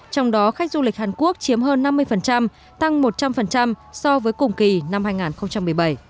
trong đó khách du lịch hàn quốc chiếm hơn năm mươi tăng một trăm linh so với cùng kỳ năm hai nghìn một mươi bảy